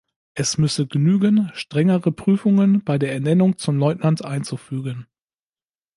Es müsse genügen strengere Prüfungen bei der Ernennung zum Leutnant einzufügen.